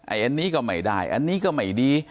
อันนี้ก็ไม่ได้อันนี้ก็ไม่ดี